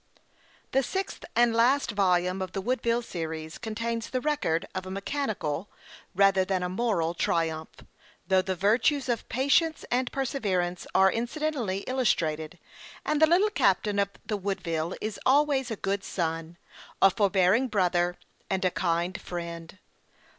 THE sixth and last volume of the Woodville stories contains the record of a mechanical, rather than a moral triumph, though the virtues of patience and perseverance are incidentally illustrated, and the "little captain" of the Woodville is always a good son, a forbearing brother, and a kind friend.